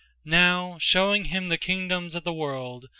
Now, showing him the kingdoms of the world.